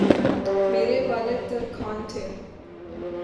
میرے والد ترکھان تھے